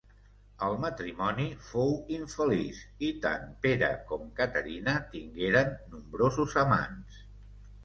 El matrimoni fou infeliç i tant Pere com Caterina tingueren nombrosos amants.